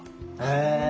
へえ。